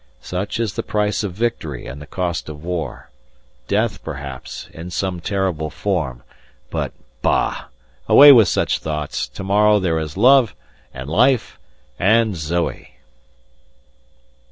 Such is the price of victory and the cost of war death, perhaps, in some terrible form, but bah! away with such thoughts, to morrow there is love and life and Zoe!